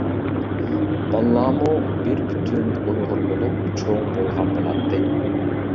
بالىلارمۇ بىر پۈتۈن ئۇيغۇر بولۇپ چوڭ بولغان بولاتتى.